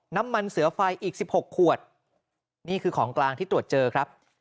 น้ำมันเสือไฟอีก๑๖ขวดนี่คือของกลางที่ตรวจเจอครับ